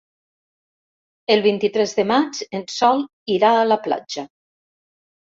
El vint-i-tres de maig en Sol irà a la platja.